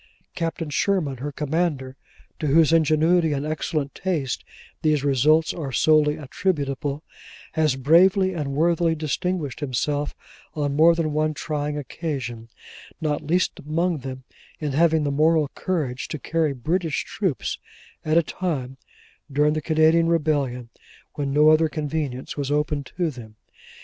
Captain Sherman, her commander, to whose ingenuity and excellent taste these results are solely attributable, has bravely and worthily distinguished himself on more than one trying occasion: not least among them, in having the moral courage to carry British troops, at a time (during the Canadian rebellion) when no other conveyance was open to them.